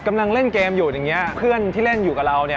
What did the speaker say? อย่างนึงเนี่ยเดี๋ยวจะมา